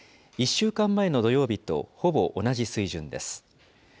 １週間前の土曜日とほぼ同じ水準です。